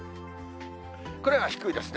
これは低いですね。